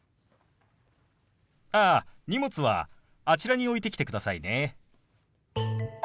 ああ荷物はあちらに置いてきてくださいね。